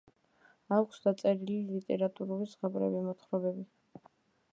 აქვს დაწერილი ლიტერატურული ზღაპრები, მოთხრობები.